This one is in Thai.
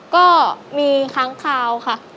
ก็มีค้างคาวค่ะ